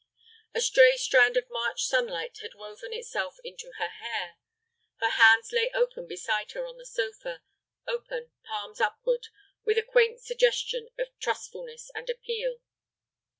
A stray strand of March sunlight had woven itself into her hair. Her hands lay open beside her on the sofa, open, palms upward, with a quaint suggestion of trustfulness and appeal.